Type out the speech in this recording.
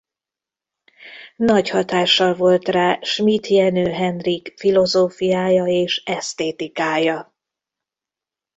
Nagy hatással volt rá Schmitt Jenő Henrik filozófiája és esztétikája.